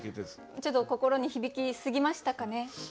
ちょっと心に響きすぎましたかね？